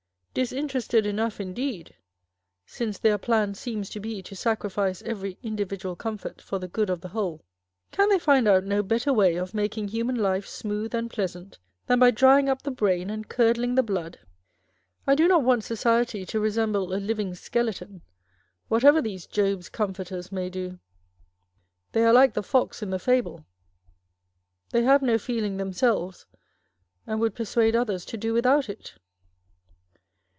Disinterested enough, indeed : since their plan seems to be to sacrifice every individual comfort for the good of the whole. Can they find out no better way of making human life smooth and pleasant, than by drying up the brain and curdling the blood ? I do not want society to resemble a Living Skeleton, whatever these " Job's Comforters " may do. They are like the fox in the fable â€" they have no feeling themselves, and would persuade others to do without it.